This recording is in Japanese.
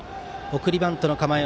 送りバントの構え。